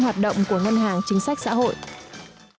hãy đăng ký kênh để ủng hộ kênh của mình nhé